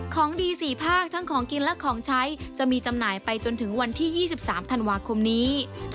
ของดี๔ภาคทั้งของกินและของใช้จะมีจำหน่ายไปจนถึงวันที่๒๓ธันวาคมนี้